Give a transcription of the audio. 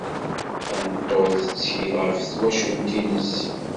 Tameṭṭut tettkel ɣef twacult-nnes.